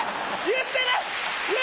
言ってない！